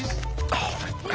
そっか！